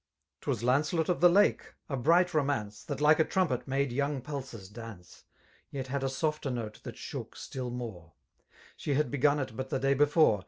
Twas Lamtcelot of the Lake, a bright romance^ That like .a trumpet^ made yomig pulses daace^ Yet had a softer note that shook stiU more3 <^ She had begun it but the day before.